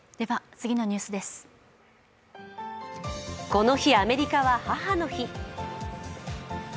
この日、アメリカは母の日。